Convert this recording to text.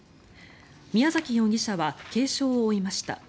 宮崎容疑者は軽傷を負いました。